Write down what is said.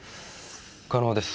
可能です。